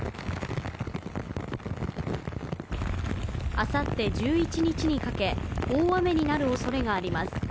あさって１１日にかけ、大雨になるおそれがあります。